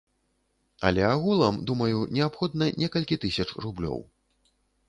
Але агулам, думаю, неабходна некалькі тысяч рублёў.